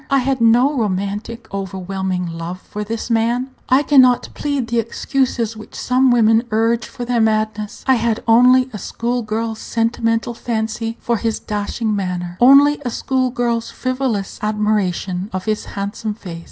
I had no romantic, overwhelming love for this man. I can not plead the excuses which some women urge for their madness. I had only a school girl's sentimental fancy for his dashing manner, only a school girl's frivolous admiration of his handsome face.